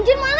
om jun mana